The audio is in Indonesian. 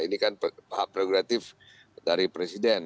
ini kan hak prerogatif dari presiden